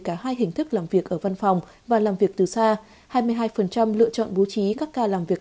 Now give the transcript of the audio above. cả hai hình thức làm việc ở văn phòng và làm việc từ xa hai mươi hai lựa chọn bố trí các ca làm việc